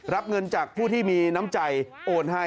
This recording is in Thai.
รับเงินจากผู้ที่มีน้ำใจโอนให้